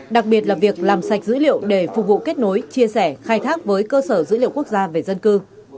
đặc biệt là việc làm sạch dữ liệu để phục vụ kết nối chia sẻ khai thác với cơ sở dữ liệu quốc gia về dân cư